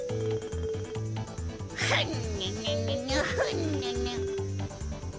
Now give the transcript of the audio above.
ふんにゃにゃにゃにゃふんにゃにゃ。